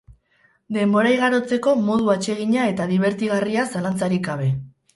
Denbora igarotzeko modu atsegina eta dibertigarria zalantzarik gabe.